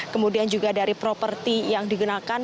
kemudian juga dari properti yang digunakan